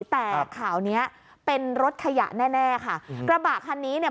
แต่ข่าวเนี้ยเป็นรถขยะแน่แน่ค่ะกระบะคันนี้เนี่ย